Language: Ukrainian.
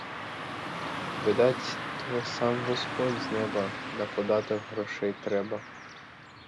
Видать то сам господь з неба, на податок грошей треба!